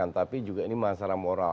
tapi juga ini masalah moral